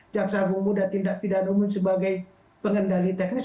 jaksa agung muda tindak pidana umum sebagai pengendali teknis